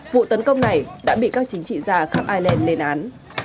vụ tấn công này đã bị các chính trị gia khắp ireland lên án